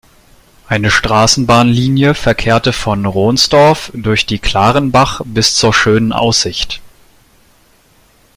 Eine Straßenbahnlinie verkehrte von Ronsdorf durch die Clarenbach bis zur "Schönen Aussicht".